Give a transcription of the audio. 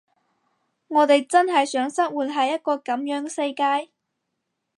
我哋真係想生活喺一個噉樣嘅世界？